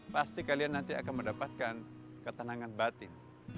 pasti kalian nanti akan mendapatkan ketenangan batin